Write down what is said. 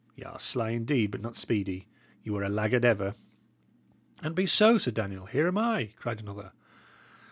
Y' are sly indeed, but not speedy. Ye were a laggard ever." "An't be so, Sir Daniel, here am I," cried another.